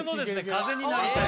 「風になりたい」